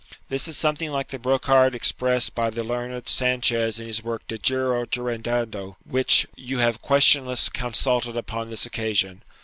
This is something like the brocard expressed by the learned Sanchez in his work "De Jure jurando" which you have questionless consulted upon this occasion.